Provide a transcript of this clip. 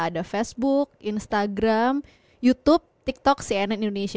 ada facebook instagram youtube tiktok cnn indonesia